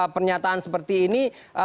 pernyataan seperti ini